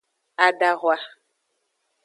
Adahwa.